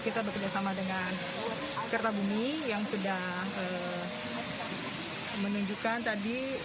kita bekerjasama dengan kerta bumi yang sudah menunjukkan tadi